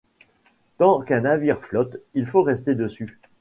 Tant qu’un navire flotte, il faut rester dessus.